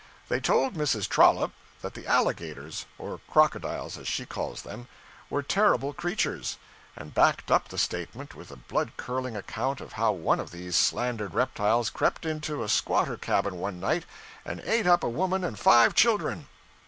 They told Mrs. Trollope that the alligators or crocodiles, as she calls them were terrible creatures; and backed up the statement with a blood curdling account of how one of these slandered reptiles crept into a squatter cabin one night, and ate up a woman and five children.